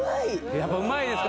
やっぱうまいですか？